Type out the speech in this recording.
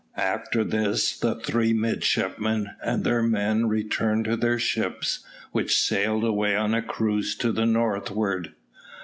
After this the three midshipmen and their men returned to their ships, which sailed away on a cruise to the northward.